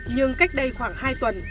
nhưng cách đây khoảng hai tuần